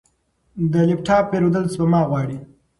د لپ ټاپ پیرودل سپما غواړي.